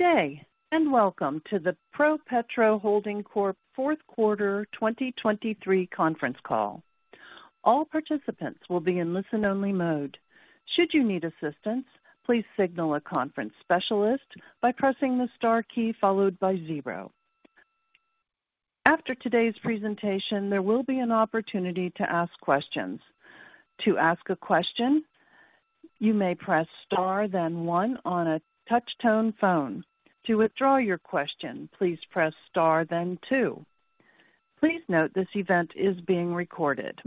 Good day, and welcome to the ProPetro Holding Corp. Fourth Quarter 2023 Conference Call. All participants will be in listen-only mode. Should you need assistance, please signal a conference specialist by pressing the star key followed by zero. After today's presentation, there will be an opportunity to ask questions. To ask a question, you may press star, then one on a touch-tone phone. To withdraw your question, please press star, then two. Please note, this event is being recorded.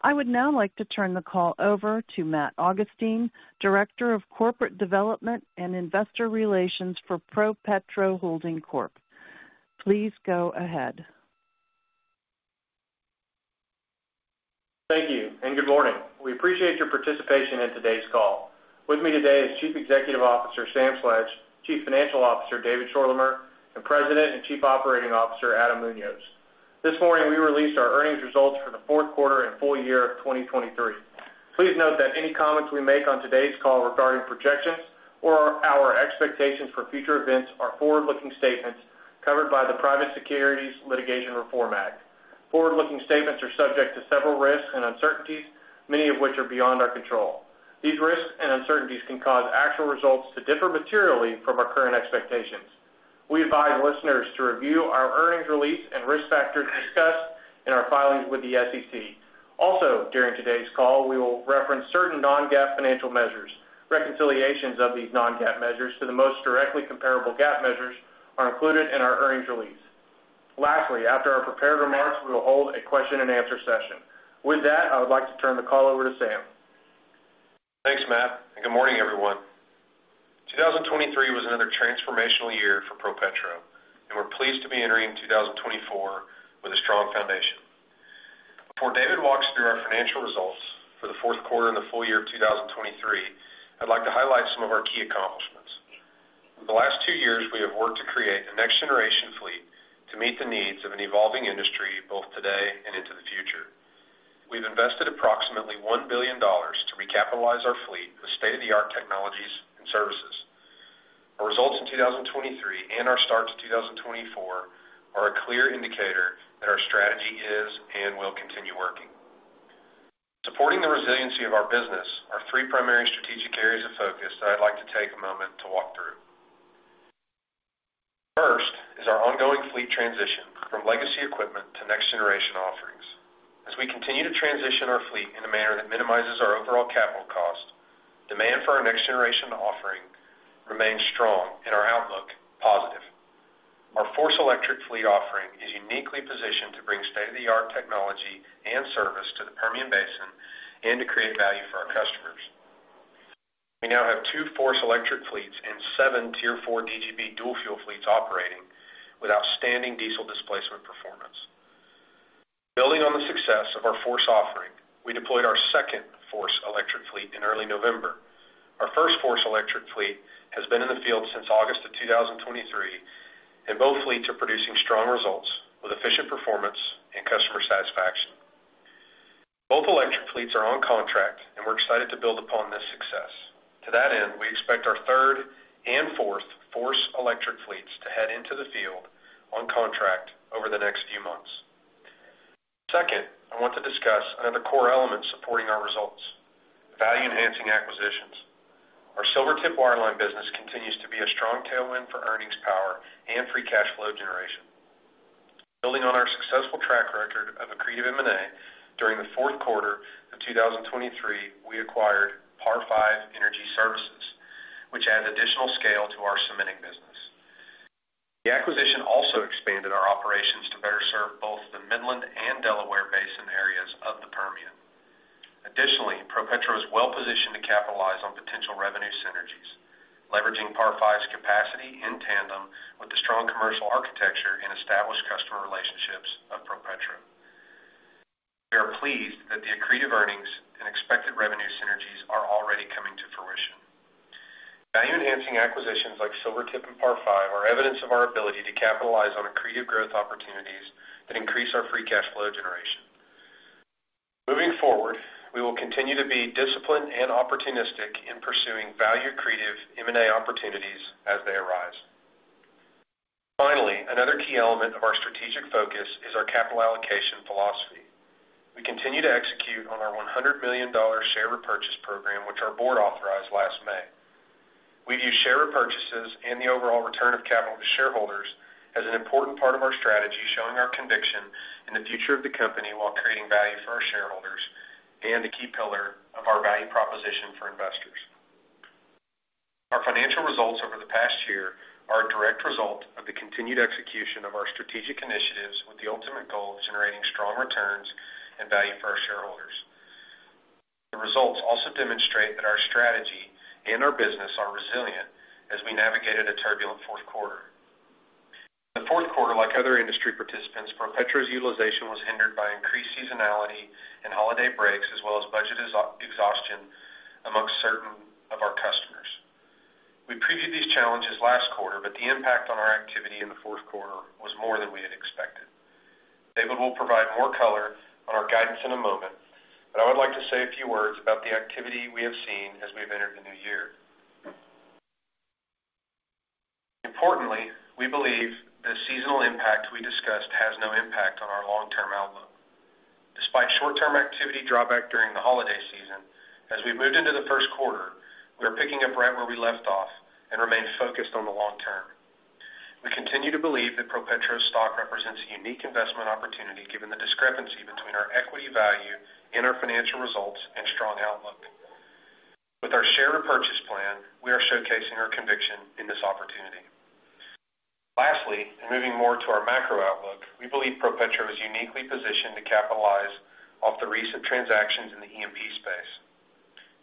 I would now like to turn the call over to Matt Augustine, Director of Corporate Development and Investor Relations for ProPetro Holding Corp. Please go ahead. Thank you, and good morning. We appreciate your participation in today's call. With me today is Chief Executive Officer, Sam Sledge, Chief Financial Officer, David Schorlemer, and President and Chief Operating Officer, Adam Munoz. This morning, we released our earnings results for the fourth quarter and full year of 2023. Please note that any comments we make on today's call regarding projections or our expectations for future events are forward-looking statements covered by the Private Securities Litigation Reform Act. Forward-looking statements are subject to several risks and uncertainties, many of which are beyond our control. These risks and uncertainties can cause actual results to differ materially from our current expectations. We advise listeners to review our earnings release and risk factors discussed in our filings with the SEC. Also, during today's call, we will reference certain non-GAAP financial measures. Reconciliations of these non-GAAP measures to the most directly comparable GAAP measures are included in our earnings release. Lastly, after our prepared remarks, we will hold a question-and-answer session. With that, I would like to turn the call over to Sam. Thanks, Matt, and good morning, everyone. 2023 was another transformational year for ProPetro, and we're pleased to be entering 2024 with a strong foundation. Before David walks through our financial results for the fourth quarter and the full year of 2023, I'd like to highlight some of our key accomplishments. For the last two years, we have worked to create a next-generation fleet to meet the needs of an evolving industry, both today and into the future. We've invested approximately $1 billion to recapitalize our fleet with state-of-the-art technologies and services. Our results in 2023 and our start to 2024 are a clear indicator that our strategy is and will continue working. Supporting the resiliency of our business are three primary strategic areas of focus that I'd like to take a moment to walk through. First, is our ongoing fleet transition from legacy equipment to next-generation offerings. As we continue to transition our fleet in a manner that minimizes our overall capital cost, demand for our next-generation offering remains strong and our outlook positive. Our FORCE Electric Fleet offering is uniquely positioned to bring state-of-the-art technology and service to the Permian Basin and to create value for our customers. We now have two FORCE Electric Fleets and seven Tier 4 DGB dual-fuel fleets operating with outstanding diesel displacement performance. Building on the success of our FORCE offering, we deployed our second FORCE Electric Fleet in early November. Our first FORCE Electric Fleet has been in the field since August 2023, and both fleets are producing strong results with efficient performance and customer satisfaction. Both electric fleets are on contract, and we're excited to build upon this success. To that end, we expect our third and fourth FORCE Electric Fleets to head into the field on contract over the next few months. Second, I want to discuss another core element supporting our results: value-enhancing acquisitions. Our Silvertip wireline business continues to be a strong tailwind for earnings power and Free Cash Flow generation. Building on our successful track record of accretive M&A, during the fourth quarter of 2023, we acquired Par Five Energy Services, which added additional scale to our cementing business. The acquisition also expanded our operations to better serve both the Midland and Delaware Basin areas of the Permian Basin. Additionally, ProPetro is well-positioned to capitalize on potential revenue synergies, leveraging Par Five's capacity in tandem with the strong commercial architecture and established customer relationships of ProPetro. We are pleased that the accretive earnings and expected revenue synergies are already coming to fruition. Value-enhancing acquisitions like Silvertip and Par Five are evidence of our ability to capitalize on accretive growth opportunities that increase our Free Cash Flow generation. Moving forward, we will continue to be disciplined and opportunistic in pursuing value accretive M&A opportunities as they arise. Finally, another key element of our strategic focus is our capital allocation philosophy. We continue to execute on our $100 million share repurchase program, which our board authorized last May. We view share repurchases and the overall return of capital to shareholders as an important part of our strategy, showing our conviction in the future of the company while creating value for our shareholders and a key pillar of our value proposition for investors. Our financial results over the past year are a direct result of the continued execution of our strategic initiatives, with the ultimate goal of generating strong returns and value for our shareholders. The results also demonstrate that our strategy and our business are resilient as we navigated a turbulent fourth quarter. In the fourth quarter, like other industry participants, ProPetro's utilization was hindered by increased seasonality and holiday breaks, as well as budget exhaustion amongst certain of our customers. We previewed these challenges last quarter, but the impact on our activity in the fourth quarter was more than we had expected... David will provide more color on our guidance in a moment, but I would like to say a few words about the activity we have seen as we've entered the new year. Importantly, we believe the seasonal impact we discussed has no impact on our long-term outlook. Despite short-term activity drawback during the holiday season, as we moved into the first quarter, we are picking up right where we left off and remain focused on the long term. We continue to believe that ProPetro's stock represents a unique investment opportunity, given the discrepancy between our equity value and our financial results and strong outlook. With our share repurchase plan, we are showcasing our conviction in this opportunity. Lastly, and moving more to our macro outlook, we believe ProPetro is uniquely positioned to capitalize off the recent transactions in the E&P space.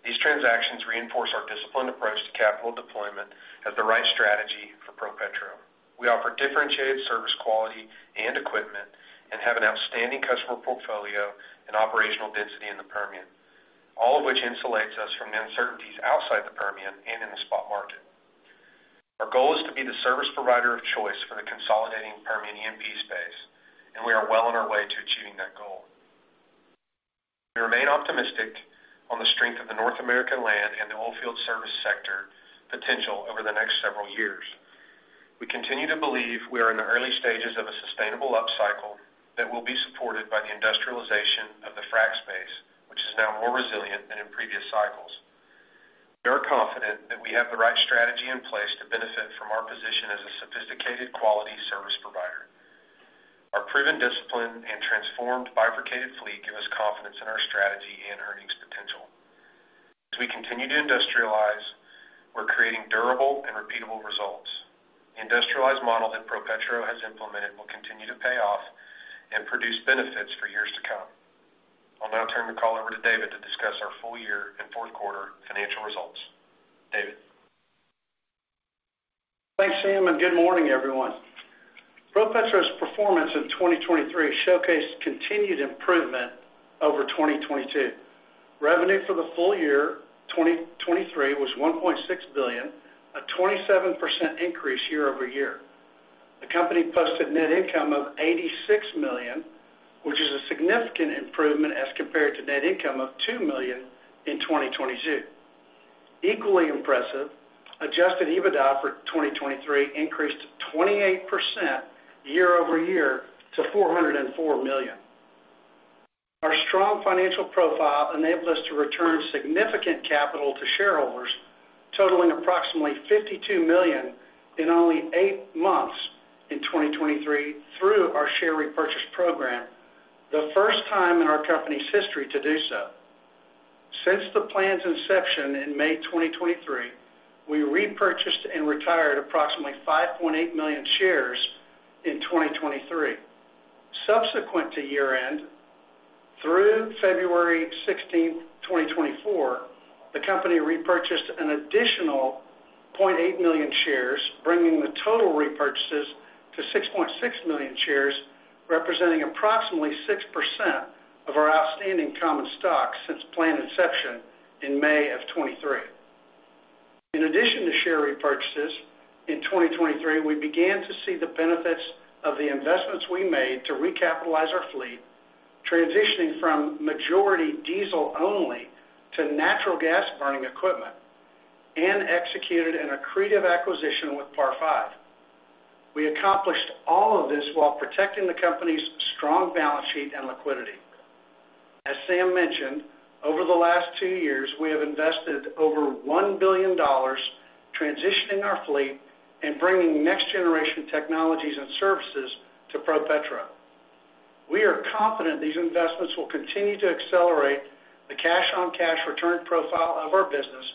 These transactions reinforce our disciplined approach to capital deployment as the right strategy for ProPetro. We offer differentiated service, quality, and equipment, and have an outstanding customer portfolio and operational density in the Permian, all of which insulates us from the uncertainties outside the Permian and in the spot market. Our goal is to be the service provider of choice for the consolidating Permian E&P space, and we are well on our way to achieving that goal. We remain optimistic on the strength of the North American land and the oilfield service sector potential over the next several years. We continue to believe we are in the early stages of a sustainable upcycle that will be supported by the industrialization of the frac space, which is now more resilient than in previous cycles. We are confident that we have the right strategy in place to benefit from our position as a sophisticated, quality service provider. Our proven discipline and transformed Bifurcated Fleet give us confidence in our strategy and earnings potential. As we continue to industrialize, we're creating durable and repeatable results. The industrialized model that ProPetro has implemented will continue to pay off and produce benefits for years to come. I'll now turn the call over to David to discuss our full year and fourth quarter financial results. David? Thanks, Sam, and good morning, everyone. ProPetro's performance in 2023 showcased continued improvement over 2022. Revenue for the full year 2023 was $1.6 billion, a 27% increase year over year. The company posted net income of $86 million, which is a significant improvement as compared to net income of $2 million in 2022. Equally impressive, adjusted EBITDA for 2023 increased 28% year over year to $404 million. Our strong financial profile enabled us to return significant capital to shareholders, totaling approximately $52 million in only 8 months in 2023 through our share repurchase program, the first time in our company's history to do so. Since the plan's inception in May 2023, we repurchased and retired approximately 5.8 million shares in 2023. Subsequent to year-end, through February 16, 2024, the company repurchased an additional 0.8 million shares, bringing the total repurchases to 6.6 million shares, representing approximately 6% of our outstanding common stock since plan inception in May of 2023. In addition to share repurchases, in 2023, we began to see the benefits of the investments we made to recapitalize our fleet, transitioning from majority diesel only to natural gas burning equipment, and executed an accretive acquisition with Par Five. We accomplished all of this while protecting the company's strong balance sheet and liquidity. As Sam mentioned, over the last two years, we have invested over $1 billion transitioning our fleet and bringing next-generation technologies and services to ProPetro. We are confident these investments will continue to accelerate the cash-on-cash return profile of our business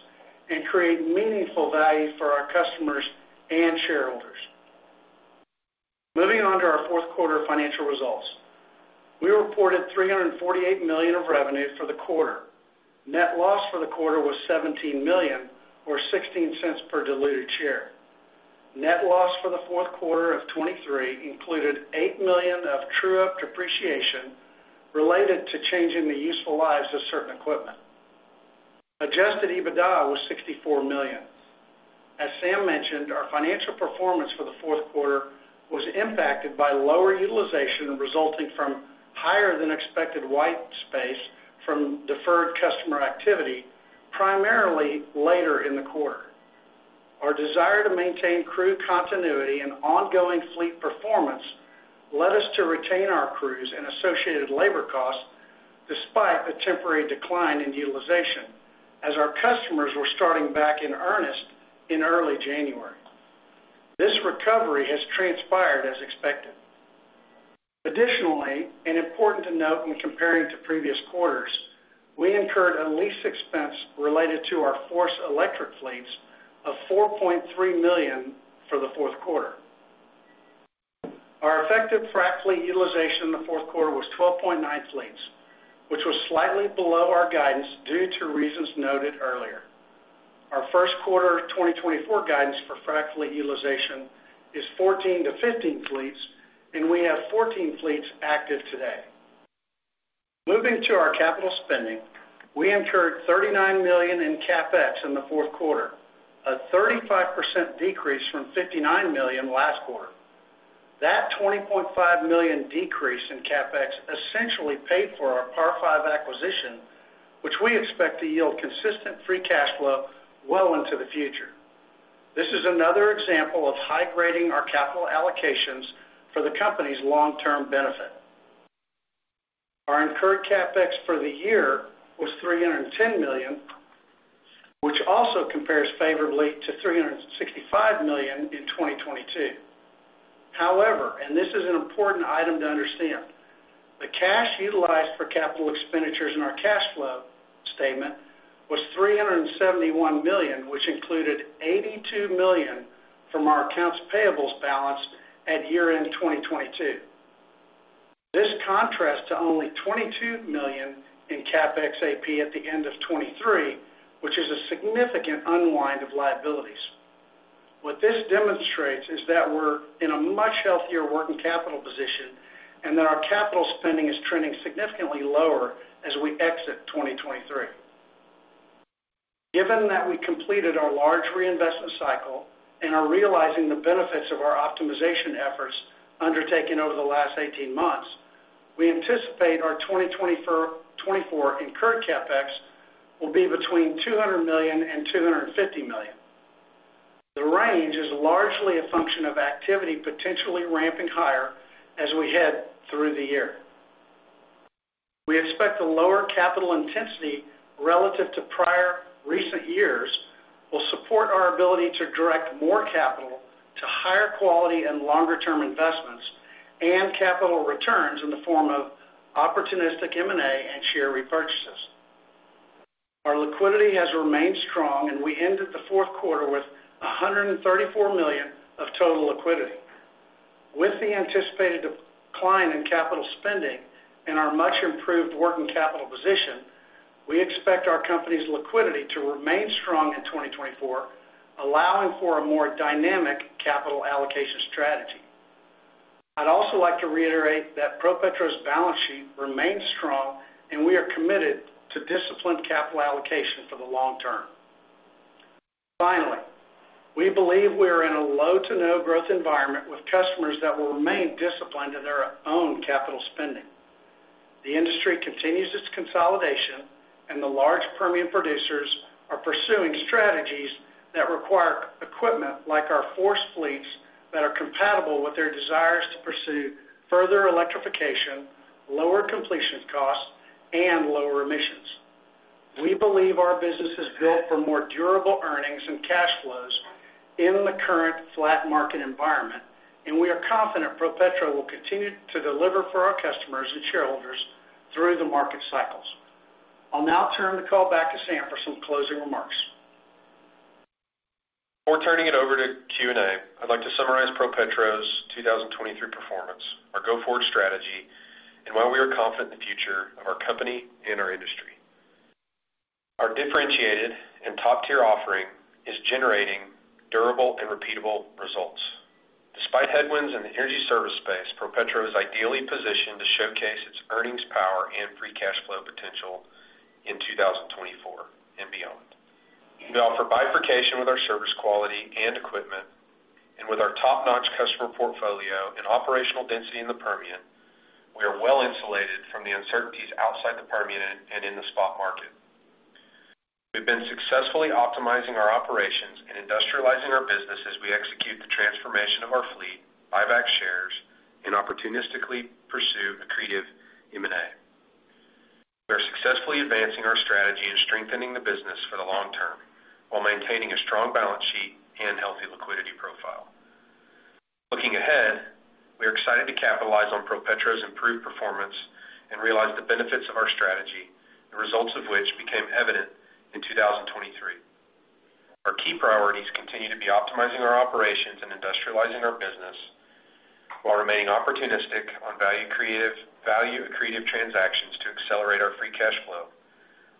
and create meaningful value for our customers and shareholders. Moving on to our fourth quarter financial results. We reported $348 million of revenue for the quarter. Net loss for the quarter was $17 million, or $0.16 per diluted share. Net loss for the fourth quarter of 2023 included $8 million of true-up depreciation related to changing the useful lives of certain equipment. Adjusted EBITDA was $64 million. As Sam mentioned, our financial performance for the fourth quarter was impacted by lower utilization, resulting from higher than expected white space from deferred customer activity, primarily later in the quarter. Our desire to maintain crew continuity and ongoing fleet performance led us to retain our crews and associated labor costs despite the temporary decline in utilization as our customers were starting back in earnest in early January. This recovery has transpired as expected. Additionally, important to note when comparing to previous quarters, we incurred a lease expense related to our FORCE electric fleets of $4.3 million for the fourth quarter. Our effective frac fleet utilization in the fourth quarter was 12.9 fleets, which was slightly below our guidance due to reasons noted earlier. Our first quarter 2024 guidance for frac fleet utilization is 14-15 fleets, and we have 14 fleets active today. Moving to our capital spending, we incurred $39 million in CapEx in the fourth quarter, a 35% decrease from $59 million last quarter. That $20.5 million decrease in CapEx essentially paid for our Par Five acquisition, which we expect to yield consistent Free Cash Flow well into the future. This is another example of high-grading our capital allocations for the company's long-term benefit. Our incurred CapEx for the year was $310 million, which also compares favorably to $365 million in 2022. However, and this is an important item to understand, the cash utilized for capital expenditures in our cash flow statement was $371 million, which included $82 million from our accounts payables balance at year-end 2022. This contrasts to only $22 million in CapEx AP at the end of 2023, which is a significant unwind of liabilities. What this demonstrates is that we're in a much healthier working capital position and that our capital spending is trending significantly lower as we exit 2023. Given that we completed our large reinvestment cycle and are realizing the benefits of our optimization efforts undertaken over the last 18 months, we anticipate our 2024 incurred CapEx will be between $200 million and $250 million. The range is largely a function of activity potentially ramping higher as we head through the year. We expect the lower capital intensity relative to prior recent years will support our ability to direct more capital to higher quality and longer-term investments and capital returns in the form of opportunistic M&A and share repurchases. Our liquidity has remained strong, and we ended the fourth quarter with $134 million of total liquidity. With the anticipated decline in capital spending and our much improved working capital position, we expect our company's liquidity to remain strong in 2024, allowing for a more dynamic capital allocation strategy. I'd also like to reiterate that ProPetro's balance sheet remains strong, and we are committed to disciplined capital allocation for the long term. Finally, we believe we are in a low to no growth environment with customers that will remain disciplined in their own capital spending. The industry continues its consolidation, and the large Permian producers are pursuing strategies that require equipment like our FORCE fleets that are compatible with their desires to pursue further electrification, lower completion costs, and lower emissions. We believe our business is built for more durable earnings and cash flows in the current flat market environment, and we are confident ProPetro will continue to deliver for our customers and shareholders through the market cycles. I'll now turn the call back to Sam for some closing remarks. Before turning it over to Q&A, I'd like to summarize ProPetro's 2023 performance, our go-forward strategy, and why we are confident in the future of our company and our industry. Our differentiated and top-tier offering is generating durable and repeatable results. Despite headwinds in the energy service space, ProPetro is ideally positioned to showcase its earnings power and Free Cash Flow potential in 2024 and beyond. We offer bifurcation with our service quality and equipment, and with our top-notch customer portfolio and operational density in the Permian, we are well insulated from the uncertainties outside the Permian and in the spot market. We've been successfully optimizing our operations and industrializing our business as we execute the transformation of our fleet, buyback shares, and opportunistically pursue accretive M&A. We are successfully advancing our strategy and strengthening the business for the long term, while maintaining a strong balance sheet and healthy liquidity profile. Looking ahead, we are excited to capitalize on ProPetro's improved performance and realize the benefits of our strategy, the results of which became evident in 2023. Our key priorities continue to be optimizing our operations and industrializing our business, while remaining opportunistic on value accretive transactions to accelerate our Free Cash Flow,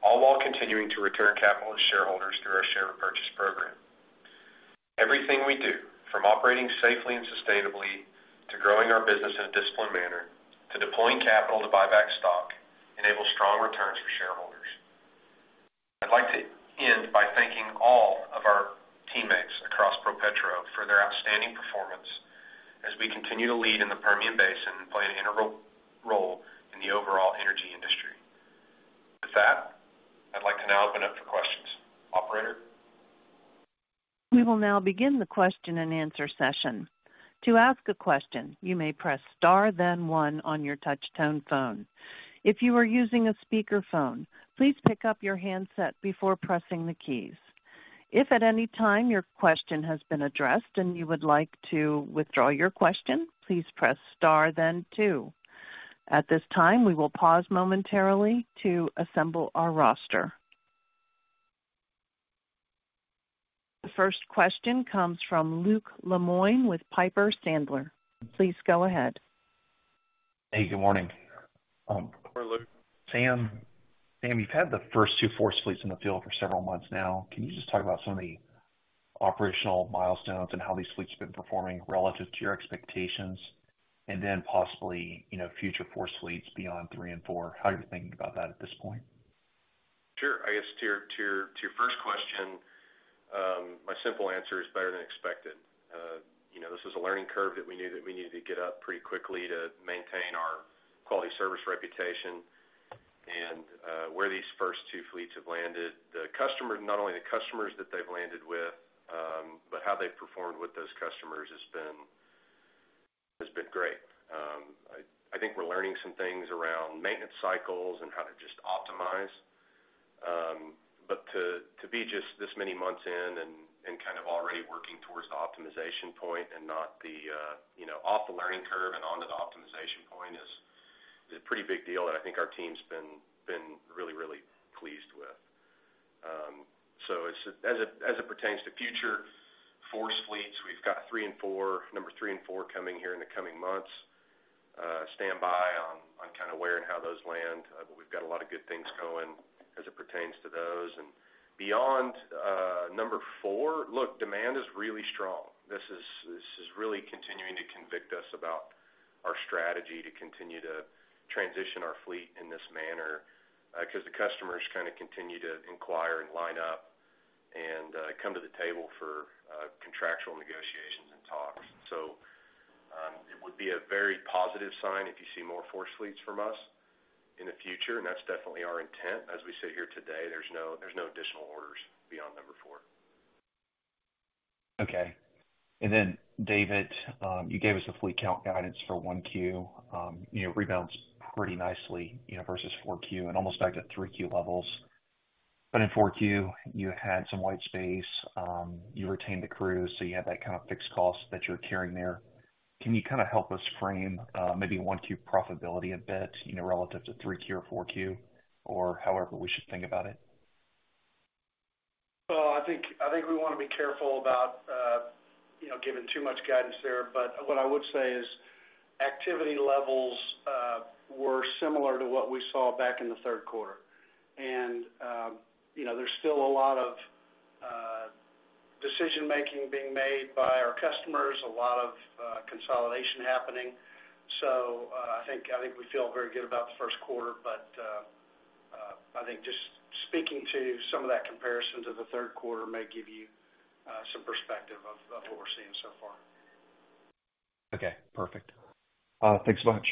all while continuing to return capital to shareholders through our share repurchase program. Everything we do, from operating safely and sustainably, to growing our business in a disciplined manner, to deploying capital to buy back stock, enables strong returns for shareholders. I'd like to end by thanking all of our teammates across ProPetro for their outstanding performance as we continue to lead in the Permian Basin and play an integral role in the overall energy industry. With that, I'd like to now open up for questions. Operator? We will now begin the question-and-answer session. To ask a question, you may press star, then one on your touchtone phone. If you are using a speakerphone, please pick up your handset before pressing the keys. If at any time your question has been addressed and you would like to withdraw your question, please press star then two. At this time, we will pause momentarily to assemble our roster. The first question comes from Luke Lemoine with Piper Sandler. Please go ahead. Hey, good morning. Good morning, Luke. Sam, Sam, you've had the first two FORCE fleets in the field for several months now. Can you just talk about some of the- Operational milestones and how these fleets have been performing relative to your expectations, and then possibly, you know, future FORCE fleets beyond 3 and 4. How are you thinking about that at this point? Sure. I guess to your first question, my simple answer is better than expected. You know, this is a learning curve that we knew that we needed to get up pretty quickly to maintain our quality service reputation. And where these first two fleets have landed, the customers, not only the customers that they've landed with, but how they've performed with those customers has been great. I think we're learning some things around maintenance cycles and how to just optimize. But to be just this many months in and kind of already working towards the optimization point and not, you know, off the learning curve and onto the optimization point is a pretty big deal, and I think our team's been really, really pleased with. So as it, as it pertains to future FORCE fleets, we've got 3 and 4, number 3 and 4 coming here in the coming months. Stand by on, on kind of where and how those land, but we've got a lot of good things going as it pertains to those. And beyond, number 4, look, demand is really strong. This is, this is really continuing to convict us about our strategy to continue to transition our fleet in this manner, because the customers kind of continue to inquire and line up and, come to the table for, contractual negotiations and talks. So, it would be a very positive sign if you see more FORCE fleets from us in the future, and that's definitely our intent. As we sit here today, there's no, there's no additional orders beyond number 4. Okay. And then, David, you gave us a fleet count guidance for one Q. You know, rebounds pretty nicely, you know, versus four Q and almost back to three Q levels. But in four Q, you had some white Space, you retained the crew, so you had that kind of fixed cost that you're carrying there. Can you kind of help us frame, maybe one Q profitability a bit, you know, relative to three Q or four Q, or however we should think about it? Well, I think, I think we want to be careful about, you know, giving too much guidance there. But what I would say is activity levels were similar to what we saw back in the third quarter. And, you know, there's still a lot of decision-making being made by our customers, a lot of consolidation happening. So, I think, I think we feel very good about the first quarter, but, I think just speaking to some of that comparison to the third quarter may give you some perspective of what we're seeing so far. Okay, perfect. Thanks so much.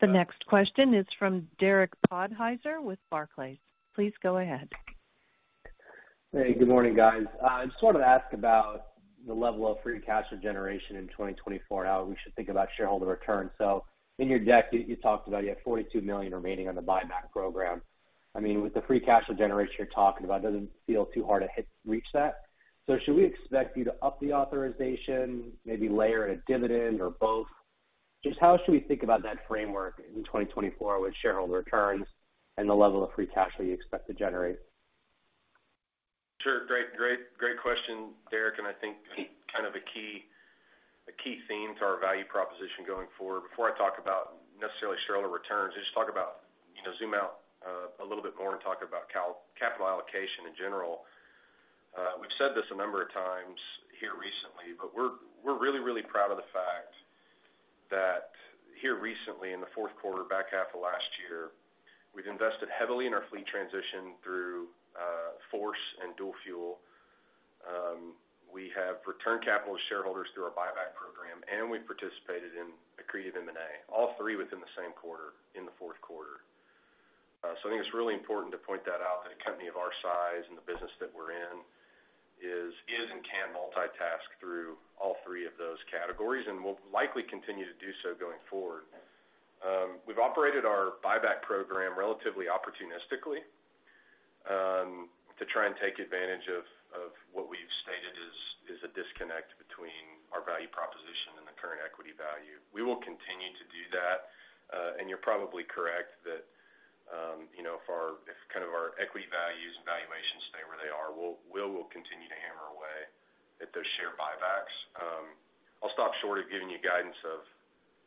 The next question is from Derek Podhaizer with Barclays. Please go ahead. Hey, good morning, guys. I just wanted to ask about the level of free cash generation in 2024, how we should think about shareholder returns. So in your deck, you talked about you had $42 million remaining on the buyback program. I mean, with the Free Cash Flow generation you're talking about, it doesn't feel too hard to hit, reach that. So should we expect you to up the authorization, maybe layer in a dividend or both? Just how should we think about that framework in 2024 with shareholder returns and the level of Free Cash Flow you expect to generate? Sure. Great, great, great question, Derek, and I think kind of a key, a key theme to our value proposition going forward. Before I talk about necessarily shareholder returns, I just talk about, you know, zoom out a little bit more and talk about capital allocation in general. We've said this a number of times here recently, but we're, we're really, really proud of the fact that here recently, in the fourth quarter, back half of last year, we've invested heavily in our fleet transition through FORCE and dual-fuel. We have returned capital to shareholders through our buyback program, and we've participated in accretive M&A, all three within the same quarter, in the fourth quarter. So, I think it's really important to point that out, that a company of our size and the business that we're in is, is and can multitask through all three of those categories, and we'll likely continue to do so going forward. We've operated our buyback program relatively opportunistically, to try and take advantage of, of what we've stated is, is a disconnect between our value proposition and the current equity value. We will continue to do that, and you're probably correct that, you know, if our, if kind of our equity values and valuations stay where they are, we'll, we'll continue to hammer away at those share buybacks. I'll stop short of giving you guidance of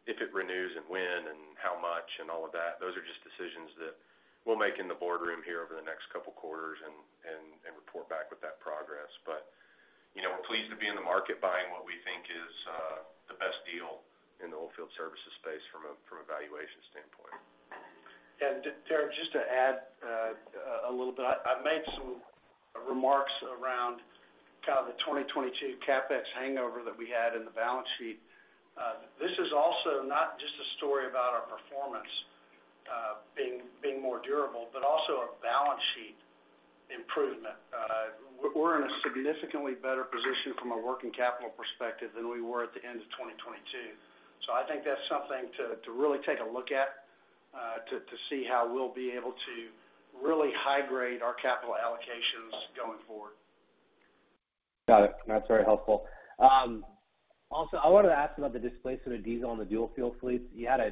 if it renews and when and how much and all of that. Those are just decisions that we'll make in the boardroom here over the next couple of quarters and report back with that progress. But, you know, we're pleased to be in the market buying what we think is the best deal in the oilfield services space from a valuation standpoint. And Derek, just to add, a little bit, I made some remarks around kind of the 2022 CapEx hangover that we had in the balance sheet. This is also not just a story about our performance being more durable, but also a balance sheet improvement. We're in a significantly better position from a working capital perspective than we were at the end of 2022. So I think that's something to really take a look at, to see how we'll be able to really high grade our capital allocations going forward. Got it. That's very helpful. Also, I wanted to ask about the displacement of diesel on the dual fuel fleets. You had a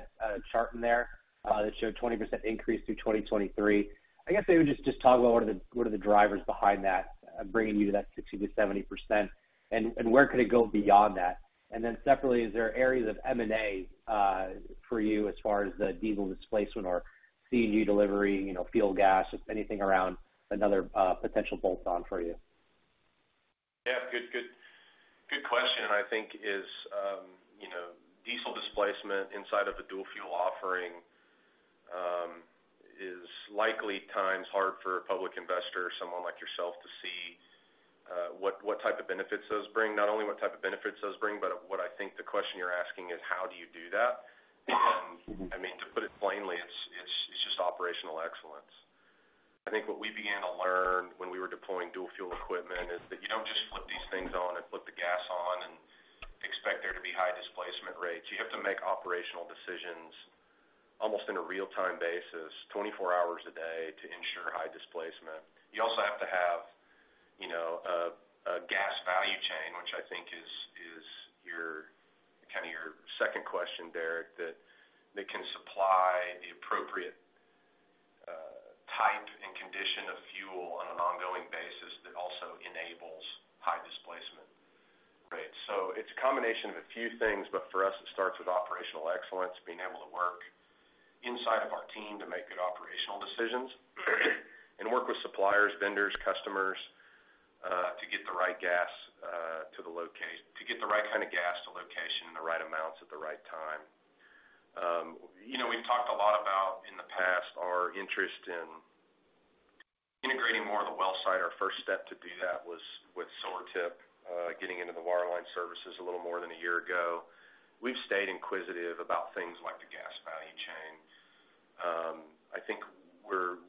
chart in there that showed 20% increase through 2023. I guess maybe just talk about what are the drivers behind that, bringing you to that 60%-70%, and where could it go beyond that? And then separately, is there areas of M&A for you as far as the diesel displacement or CNG delivery, you know, fuel gas, just anything around another potential bolt-on for you? Yeah, good, good, good question, and I think is, you know, diesel displacement inside of the dual fuel offering, is likely times hard for a public investor or someone like yourself to see, what, what type of benefits those bring. Not only what type of benefits those bring, but what I think the question you're asking is: how do you do that? And, I mean, to put it plainly, it's just operational excellence. I think what we began to learn when we were deploying dual fuel equipment is that you don't just flip these things on and flip the gas on and expect there to be high displacement rates. You have to make operational decisions almost in a real-time basis, 24 hours a day, to ensure high displacement. You also have to have, you know, a gas value chain, which I think is your, kind of your second question, Derek, that they can supply the appropriate type and condition of fuel on an ongoing basis that also enables high displacement rates. So it's a combination of a few things, but for us, it starts with operational excellence, being able to work inside of our team to make good operational decisions, and work with suppliers, vendors, customers, to get the right gas, to get the right kind of gas to location, in the right amounts at the right time. You know, we've talked a lot about, in the past, our interest in integrating more of the well site. Our first step to do that was with Silvertip, getting into the wireline services a little more than a year ago. We've stayed inquisitive about things like the gas value chain. I think we're,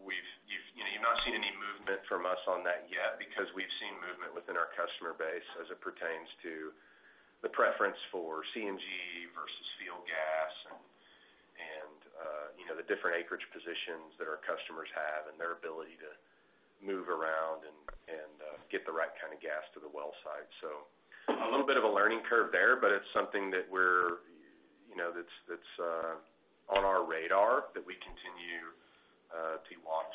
you know, you've not seen any movement from us on that yet because we've seen movement within our customer base as it pertains to the preference for CNG versus field gas and, you know, the different acreage positions that our customers have and their ability to move around and, get the right kind of gas to the well site. So a little bit of a learning curve there, but it's something that we're, you know, that's on our radar, that we continue to watch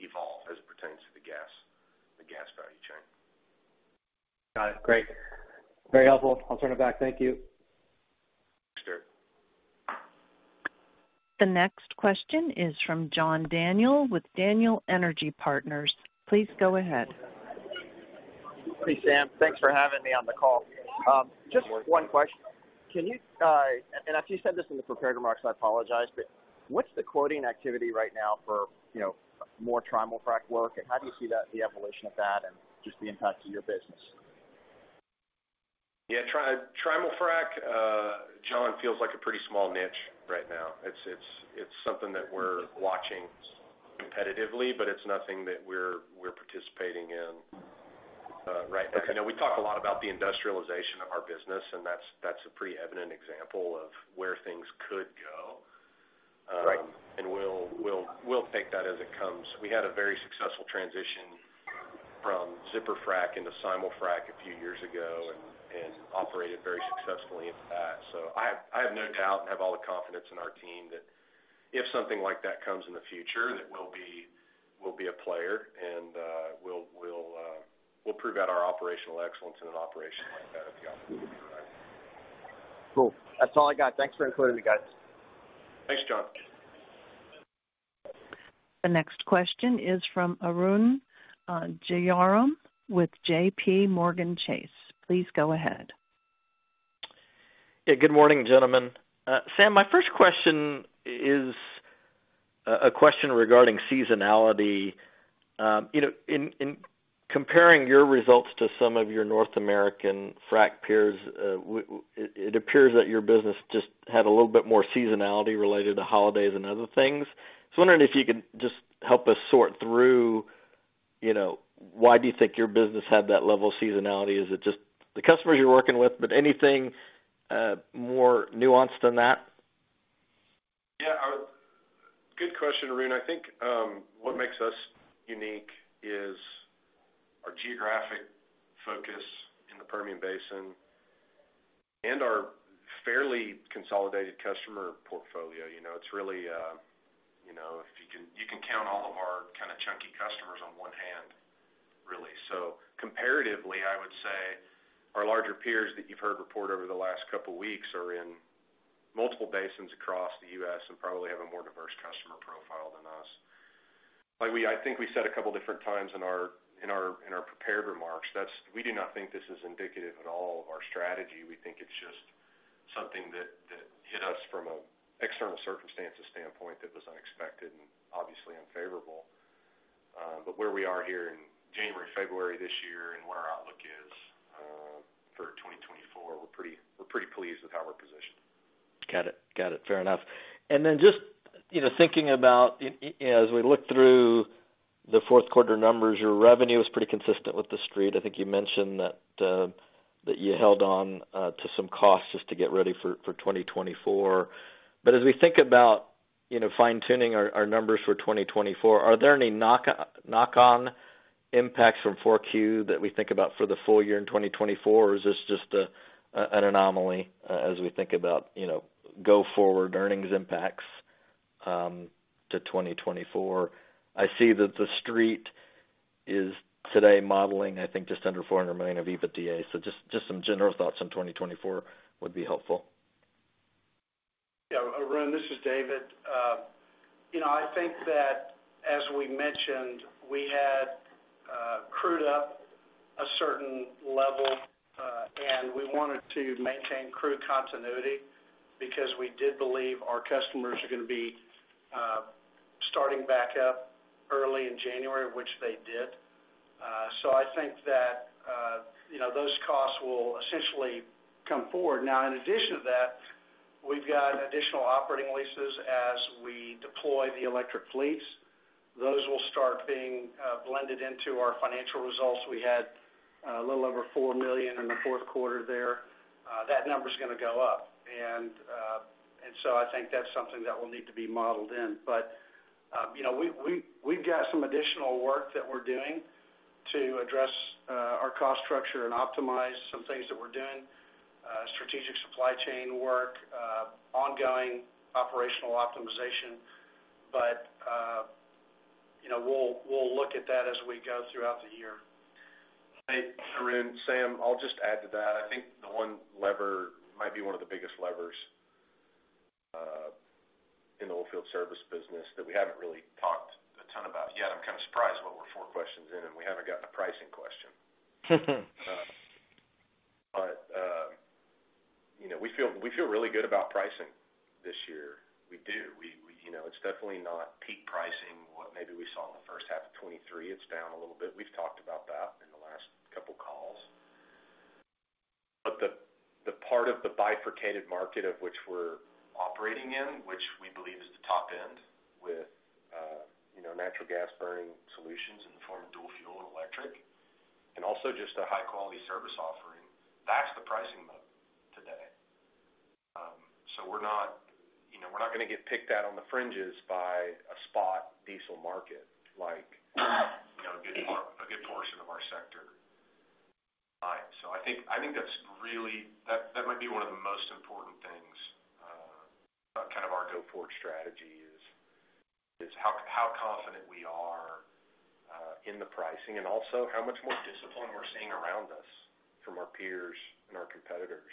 evolve as it pertains to the gas value chain. Got it. Great. Very helpful. I'll turn it back. Thank you. Sure. The next question is from John Daniel with Daniel Energy Partners. Please go ahead. Hey, Sam. Thanks for having me on the call. Just one question. Can you, and if you said this in the prepared remarks, I apologize, but what's the quoting activity right now for, you know, more Trimul-Frac work, and how do you see that, the evolution of that and just the impact to your business? Yeah, Trimul-Frac, John, feels like a pretty small niche right now. It's, it's, it's something that we're watching competitively, but it's nothing that we're, we're participating in right now. I know we talk a lot about the industrialization of our business, and that's, that's a pretty evident example of where things could go. Right. We'll take that as it comes. We had a very successful transition from Zipper Frac into Simul-Frac a few years ago and operated very successfully in that. So I have no doubt and have all the confidence in our team that if something like that comes in the future, that we'll be a player, and we'll prove out our operational excellence in an operation like that, if the opportunity arrives. Cool. That's all I got. Thanks for including me, guys. Thanks, John. The next question is from Arun Jayaram with JPMorgan Chase. Please go ahead. Yeah, good morning, gentlemen. Sam, my first question is a question regarding seasonality. You know, in comparing your results to some of your North American frac peers, it appears that your business just had a little bit more seasonality related to holidays and other things. So I'm wondering if you could just help us sort through, you know, why do you think your business had that level of seasonality? Is it just the customers you're working with, but anything more nuanced than that? Yeah, good question, Arun. I think, what makes us unique is our geographic focus in the Permian Basin and our fairly consolidated customer portfolio. You know, it's really, you know, if you can count all of our kind of chunky customers on one hand, really. So comparatively, I would say our larger peers that you've heard report over the last couple weeks are in multiple basins across the U.S., and probably have a more diverse customer profile than us. Like, I think we said a couple different times in our prepared remarks, that's we do not think this is indicative at all of our strategy. We think it's just something that hit us from a external circumstances standpoint, that was unexpected and obviously unfavorable. But where we are here in January, February this year and what our outlook is for 2024, we're pretty pleased with how we're positioned. Got it. Got it. Fair enough. And then just, you know, thinking about, you know, as we look through the fourth quarter numbers, your revenue is pretty consistent with the street. I think you mentioned that that you held on to some costs just to get ready for 2024. But as we think about, you know, fine-tuning our our numbers for 2024, are there any knock-on impacts from Q4 that we think about for the full year in 2024? Or is this just an anomaly as we think about, you know, go forward earnings impacts to 2024? I see that the street is today modeling, I think, just under $400 million of EBITDA. So just some general thoughts on 2024 would be helpful. Arun, this is David. You know, I think that as we mentioned, we had crewed up a certain level, and we wanted to maintain crew continuity because we did believe our customers are going to be starting back up early in January, which they did. So I think that you know, those costs will essentially come forward. Now, in addition to that, we've got additional operating leases as we deploy the electric fleets. Those will start being blended into our financial results. We had a little over $4+ million in the fourth quarter there. That number is going to go up. And so I think that's something that will need to be modeled in. But, you know, we, we've got some additional work that we're doing to address, our cost structure and optimize some things that we're doing, strategic supply chain work, ongoing operational optimization. But, you know, we'll, we'll look at that as we go throughout the year. Hey, Arun, Sam, I'll just add to that. I think the one lever might be one of the biggest levers in the oilfield service business that we haven't really talked a ton about yet. I'm kind of surprised that we're four questions in, and we haven't gotten a pricing question. But you know, we feel, we feel really good about pricing this year. We do. We, we, you know, it's definitely not peak pricing, what maybe we saw in the first half of 2023. It's down a little bit. We've talked about that in the last couple of calls. But the part of the bifurcated market of which we're operating in, which we believe is the top end with you know, natural gas burning solutions in the form of dual fuel and electric, and also just a high-quality service offering, that's the pricing mode today. So we're not, you know, we're not going to get picked out on the fringes by a spot diesel market, like, you know, a good portion of our sector. So I think, I think that's really... That, that might be one of the most important things about kind of our go-forward strategy is, is how, how confident we are in the pricing and also how much more discipline we're seeing around us from our peers and our competitors.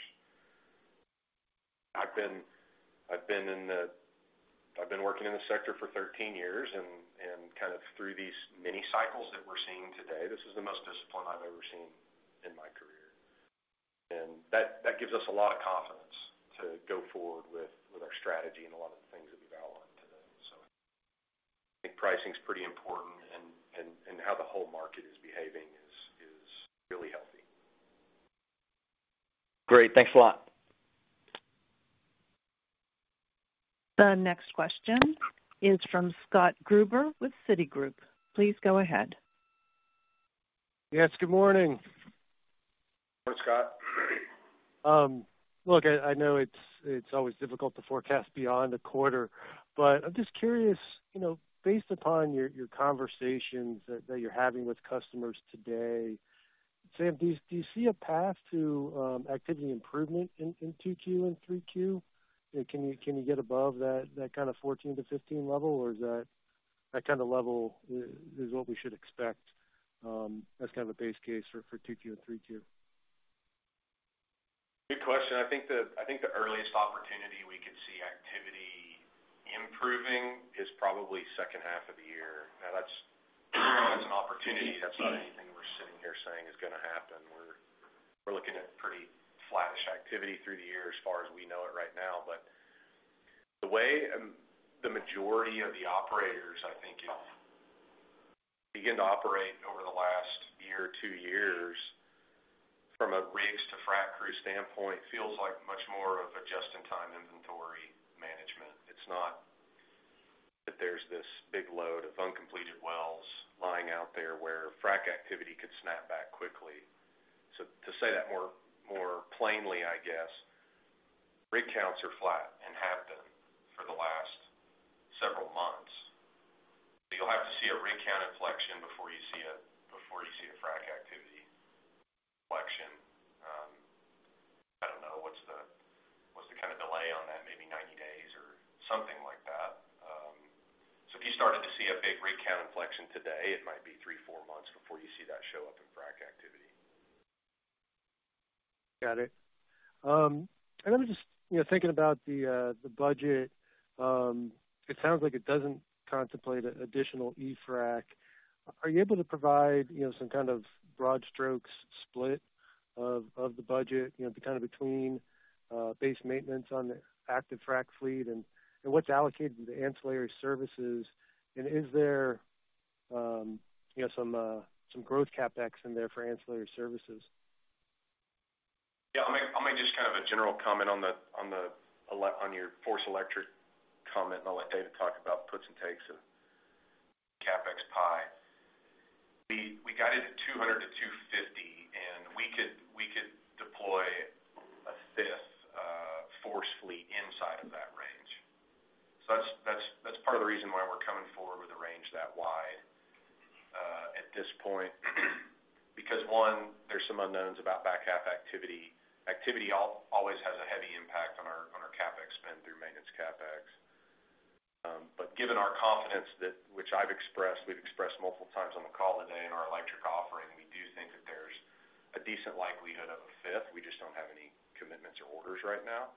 I've been working in the sector for 13 years, and kind of through these mini cycles that we're seeing today, this is the most discipline I've ever seen in my career. And that, that gives us a lot of confidence to go forward with our strategy and a lot of the things that we've outlined today. So I think pricing is pretty important and how the whole market is behaving is really healthy. Great. Thanks a lot. The next question is from Scott Gruber with Citigroup. Please go ahead. Yes, good morning. Good morning, Scott. Look, I know it's always difficult to forecast beyond a quarter, but I'm just curious, you know, based upon your conversations that you're having with customers today, Sam, do you see a path to activity improvement in two Q and three Q? Can you get above that kind of 14-15 level, or is that kind of level what we should expect as kind of a base case for two Q and three Q? Good question. I think the earliest opportunity we could see activity improving is probably second half of the year. Now, that's an opportunity. That's not anything we're sitting here saying is going to happen. We're looking at pretty flattish activity through the year as far as we know it right now. But the way the majority of the operators, I think, have begin to operate over the last year, two years, from a rigs to frac crew standpoint, feels like much more of a just-in-time inventory management. It's not that there's this big load of uncompleted wells lying out there where frac activity could snap back quickly. So to say that more plainly, I guess, rig counts are flat and have been for the last several months. So you'll have to see a rig count inflection before you see a, before you see a frac activity inflection. I don't know what's the kind of delay on that? Maybe 90 days or something like that. So if you started to see a big rig count inflection today, it might be 3-4 months before you see that show up in frac activity. Got it. And I'm just, you know, thinking about the budget. It sounds like it doesn't contemplate an additional e-frac. Are you able to provide, you know, some kind of broad strokes split of the budget, you know, kind of between base maintenance on the active frac fleet and what's allocated to the ancillary services? And is there, you know, some growth CapEx in there for ancillary services? Yeah, I'll make just kind of a general comment on your FORCE electric comment, and I'll let David talk about the puts and takes of CapEx pie. We got it at $200-$250, and we could deploy a fifth FORCE fleet inside of that range. So that's part of the reason why we're coming forward with a range that wide at this point. Because one, there's some unknowns about back half activity. Activity always has a heavy impact on our CapEx spend through maintenance CapEx. But given our confidence that, which I've expressed, we've expressed multiple times on the call today in our electric offering, we do think that there's a decent likelihood of a fifth. We just don't have any commitments or orders right now.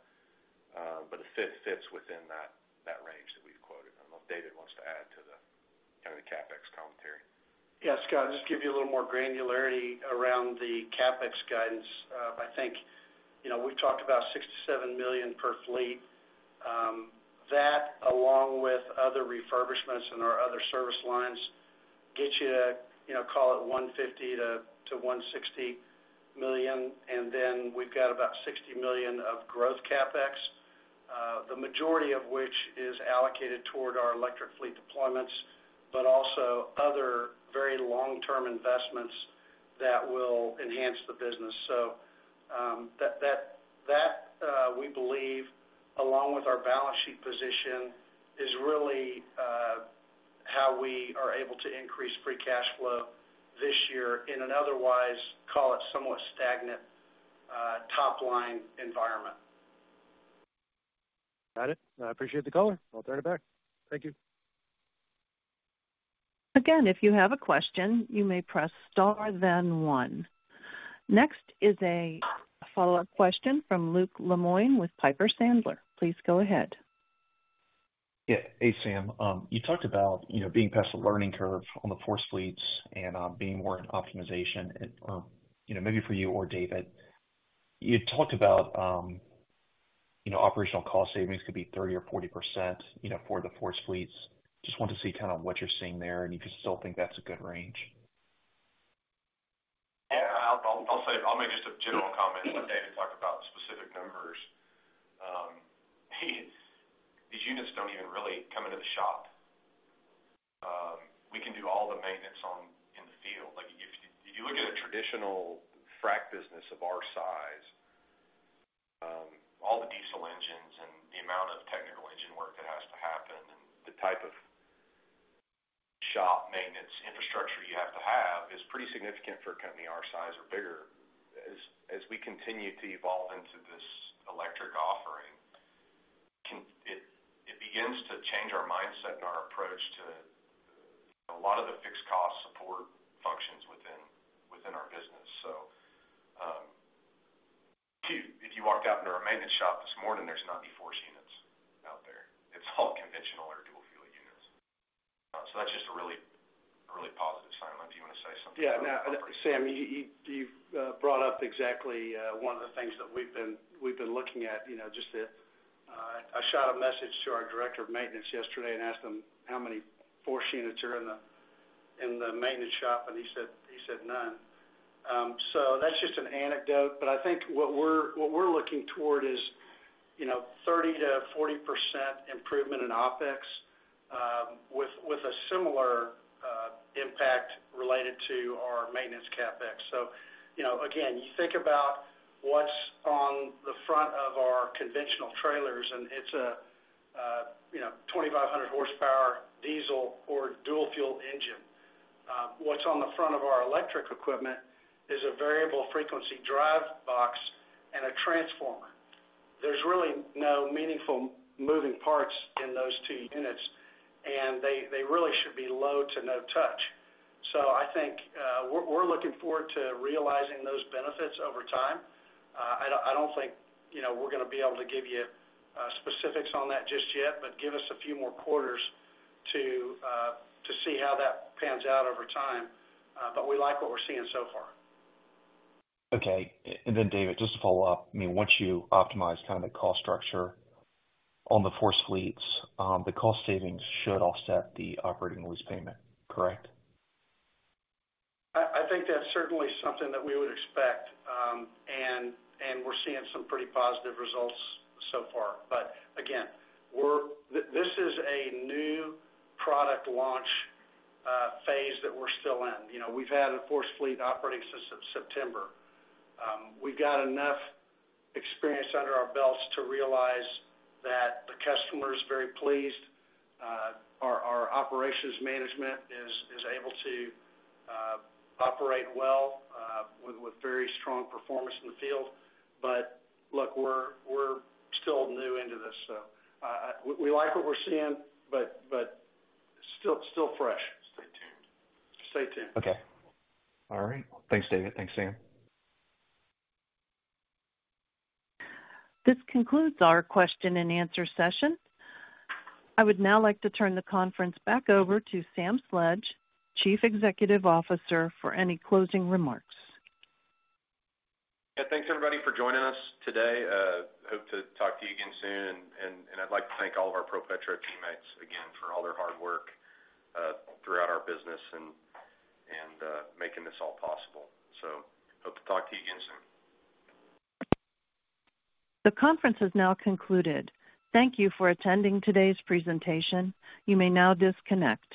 But a fifth fits within that range that we've quoted. I don't know if David wants to add to the kind of CapEx commentary. Yes, Scott, just give you a little more granularity around the CapEx guidance. I think, you know, we've talked about $67 million per fleet. That along with other refurbishments in our other service lines, get you to, you know, call it $150 million-$160 million, and then we've got about $60 million of growth CapEx. The majority of which is allocated toward our electric fleet deployments, but also other very long-term investments that will enhance the business. So, that we believe, along with our balance sheet position, is really how we are able to increase Free Cash Flow this year in an otherwise, call it, somewhat stagnant top-line environment. Got it. I appreciate the color. I'll turn it back. Thank you. Again, if you have a question, you may press star, then one. Next is a follow-up question from Luke Lemoine with Piper Sandler. Please go ahead. Yeah. Hey, Sam. You talked about, you know, being past the learning curve on the FORCE fleets and, being more in optimization. And, you know, maybe for you or David, you talked about, you know, operational cost savings could be 30% or 40%, you know, for the FORCE fleets. Just wanted to see kind of what you're seeing there, and if you still think that's a good range? Yeah, I'll say... I'll make just a general comment, but David, talk about specific numbers. These units don't even really come into the shop. We can do all the maintenance in the field. Like, if you look at a traditional frack business of our size, all the diesel engines and the amount of technical engine work that has to happen, and the type of shop maintenance infrastructure you have to have, is pretty significant for a company our size or bigger. As we continue to evolve into this electric offering, it begins to change our mindset and our approach to a lot of the fixed cost support functions within our business. So, if you walked out into our maintenance shop this morning, there's not any FORCE units out there. It's all conventional or dual fuel units. So that's just a really, a really positive sign. Unless you want to say something? Yeah. No, Sam, you, you've brought up exactly one of the things that we've been, we've been looking at. You know, just to, I shot a message to our director of maintenance yesterday and asked him how many FORCE units are in the maintenance shop, and he said, he said, "None." So that's just an anecdote, but I think what we're, what we're looking toward is, you know, 30%-40% improvement in OpEx with a similar impact related to our maintenance CapEx. So, you know, again, you think about what's on the front of our conventional trailers, and it's a, you know, 2,500 horsepower diesel or dual fuel engine. What's on the front of our electric equipment is a variable frequency drive box and a transformer. There's really no meaningful moving parts in those two units, and they really should be low to no touch. So I think we're looking forward to realizing those benefits over time. I don't think, you know, we're gonna be able to give you specifics on that just yet, but give us a few more quarters to see how that pans out over time. But we like what we're seeing so far. Okay. And then, David, just to follow up, I mean, once you optimize kind of the cost structure on the FORCE fleets, the cost savings should offset the operating lease payment, correct? I think that's certainly something that we would expect, and we're seeing some pretty positive results so far. But again, this is a new product launch phase that we're still in. You know, we've had a FORCE fleet operating since September. We've got enough experience under our belts to realize that the customer is very pleased. Our operations management is able to operate well with very strong performance in the field. But look, we're still new into this, so we like what we're seeing, but still fresh. Stay tuned. Stay tuned. Okay. All right. Thanks, David. Thanks, Sam. This concludes our question and answer session. I would now like to turn the conference back over to Sam Sledge, Chief Executive Officer, for any closing remarks. Yeah, thanks, everybody, for joining us today. Hope to talk to you again soon. And I'd like to thank all of our ProPetro teammates again for all their hard work throughout our business and making this all possible. So hope to talk to you again soon. The conference is now concluded. Thank you for attending today's presentation. You may now disconnect.